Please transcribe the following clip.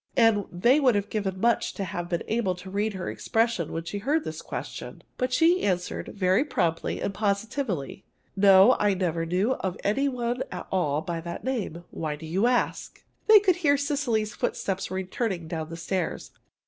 And they would have given much to have been able to read her expression when she heard this question. But she answered, very promptly and positively: "No, I never knew of any one at all by that name. Why do you ask?" They could hear Cecily's footsteps returning down the stairs.